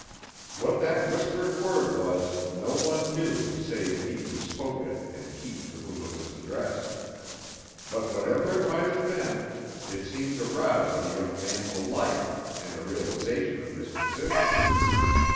What that whispered word was no one knew save he who spoke it and he to whom it was addressed. But whatever it might have been, it seemed to rouse the young man to life and a realisation of his position.